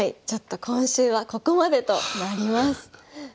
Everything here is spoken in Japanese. ちょっと今週はここまでとなります。